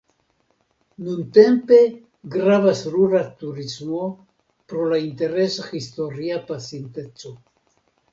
Nuntempe gravas rura turismo pro la interesa historia pasinteco.